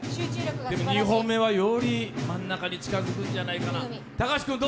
２本目は、より真ん中に近づくんじゃないかな。